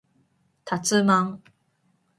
たつまん